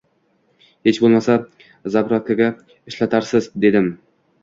Hech bo`lmasa zapravkaga ishlatarsiz, dedim